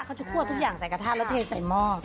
เขาจะคั่วทุกอย่างใส่กระทะแล้วเทใส่หม้อ